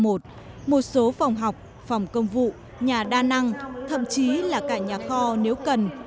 một số phòng học phòng công vụ nhà đa năng thậm chí là cả nhà kho nếu cần